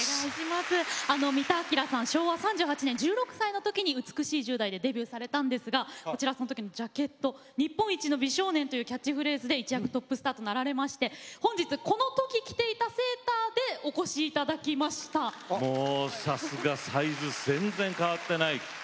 昭和３８年１６歳のときに「美しい十代」でデビューされたんですがそのときのジャケット日本一の美少年というキャッチフレーズで一躍トップスターとなられまして本日このとき着ていたセーターでさすがサイズ全然変わっていない。